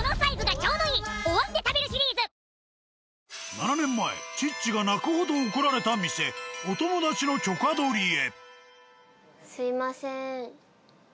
７年前チッチが泣くほど怒られた店「おともだち」の許可取りへ。